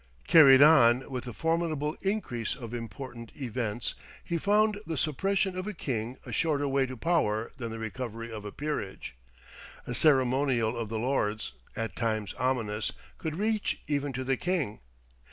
Carried on with the formidable increase of important events, he found the suppression of a king a shorter way to power than the recovery of a peerage. A ceremonial of the Lords, at times ominous, could reach even to the king.